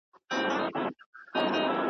وروسته چیري ځي په هیڅ نه یم خبره .